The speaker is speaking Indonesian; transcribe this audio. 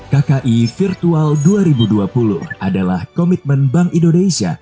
kki virtual dua ribu dua puluh adalah komitmen bank indonesia